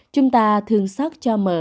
chúng ta thương xót cho mờ và gia đình em